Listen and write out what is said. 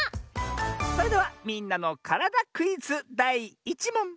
それでは「みんなのからだクイズ」だい１もん！